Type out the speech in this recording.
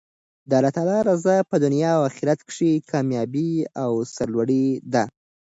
د الله تعالی رضاء په دنیا او اخرت کښي کاميابي او سر لوړي ده.